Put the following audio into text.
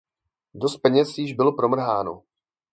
Dost peněz již bylo promrháno.